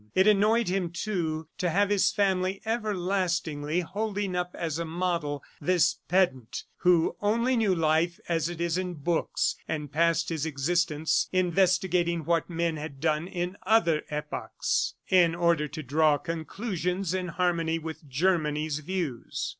It annoyed him, too, to have his family everlastingly holding up as a model this pedant who only knew life as it is in books, and passed his existence investigating what men had done in other epochs, in order to draw conclusions in harmony with Germany's views.